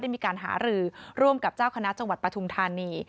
มีการหารือร่วมกับเจ้าคณะจังหวัดปฐุมธานี